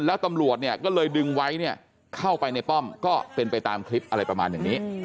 แล้วตำรวจเนี่ยก็เลยดึงไว้เนี่ยเข้าไปในป้อมก็เป็นไปตามคลิปอะไรประมาณอย่างนี้